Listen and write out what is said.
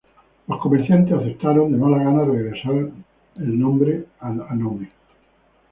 Los comerciantes aceptaron de mala gana regresar el nombre a Nome.